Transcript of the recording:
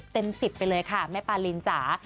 เต็ม๑๐ไปเลยค่ะแม่ปารินจ๋า